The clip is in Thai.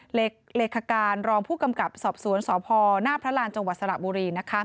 หลักเลขการรองผู้กำกับสอบสวนสภหน้าพระรานจสระบุรี